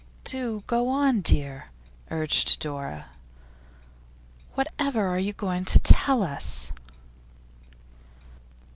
'Do go on, dear,' urged Dora. 'Whatever are you going to tell us?